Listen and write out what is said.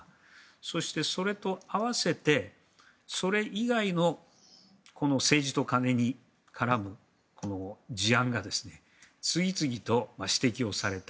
そして、それと合わせてそれ以外の政治と金に絡む事案が次々と指摘をされた。